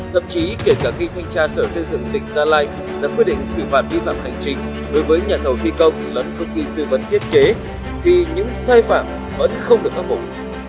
thậm chí kể cả khi thanh tra sở xây dựng tỉnh gia lai đã quyết định xử phạt vi phạm hành trình đối với nhà thầu thi công lẫn công ty tư vấn thiết kế thì những sai phạm vẫn không được phát phục